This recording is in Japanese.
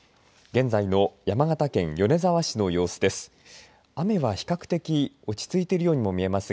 現在の山形県米沢市の様子です。